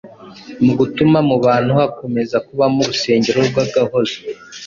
mu gutuma mu bantu hakomeza kubamo urusengero rw’agahozo